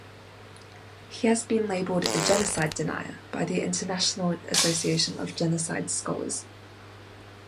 He has been labelled a "genocide denier" by the International Association of Genocide Scholars.